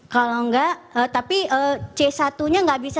kalau enggak tapi c satu nya nggak bisa